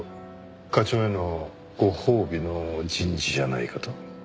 課長へのご褒美の人事じゃないかと。